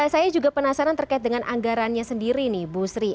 saya juga penasaran terkait dengan anggarannya sendiri nih bu sri